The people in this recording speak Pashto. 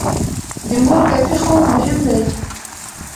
د مور کافي خوب مهم دی.